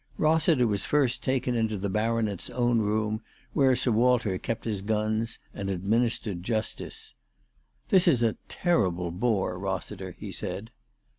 Rossiter was first taken into the Baronet's <own room, where Sir Walter kept his guns and administered justice. " This is a terrible bore, Rossiter," he said.